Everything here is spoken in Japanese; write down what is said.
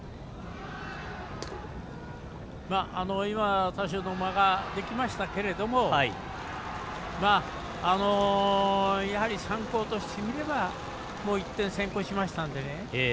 今、多少間ができましたけどやはり、三高としてみれば１点先行しましたのでね